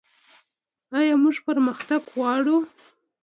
آیا موږ پرمختګ غواړو؟